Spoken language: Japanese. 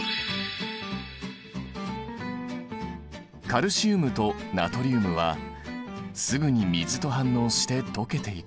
カルシウムとナトリウムはすぐに水と反応して溶けていく。